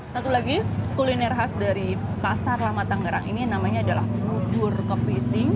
satu lagi kuliner khas dari pasar lama tangerang ini namanya adalah bubur kepiting